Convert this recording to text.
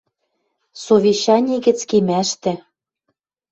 Совещӓни гӹц кемӓштӹ